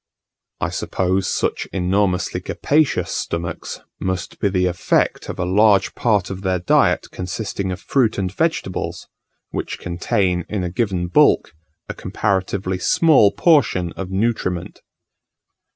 I suppose such enormously capacious stomachs must be the effect of a large part of their diet consisting of fruit and vegetables, which contain, in a given bulk, a comparatively small portion of nutriment.